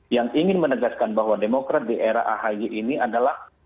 yang ingin menegaskan bahwa demokrat di era ahy ini adalah